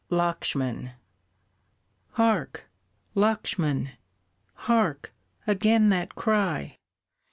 LAKSHMAN. "Hark! Lakshman! Hark, again that cry!